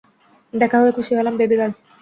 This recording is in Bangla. দেখা হয়ে খুশি হলাম, বেবি গার্ল।